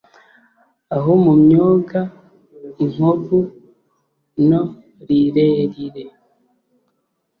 aho mu myonga inkovu no rirerire